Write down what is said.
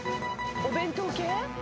お弁当系？